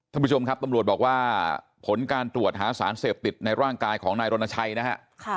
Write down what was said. ท่านผู้ชมครับตำรวจบอกว่าผลการตรวจหาสารเสพติดในร่างกายของนายรณชัยนะฮะ